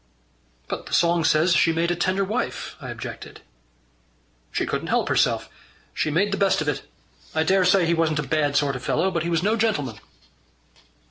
"But the song says she made a tender wife," I objected. "She couldn't help herself. She made the best of it. I dare say he wasn't a bad sort of a fellow, but he was no gentleman."